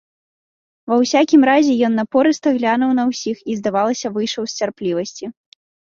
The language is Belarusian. Ва ўсякім разе, ён напорыста глянуў на ўсіх і, здавалася, выйшаў з цярплівасці.